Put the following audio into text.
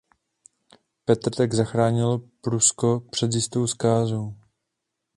Petr tak zachránil Prusko před jistou zkázou.